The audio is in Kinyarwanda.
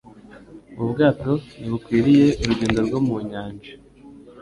Ubu bwato ntibukwiriye urugendo rwo mu nyanja.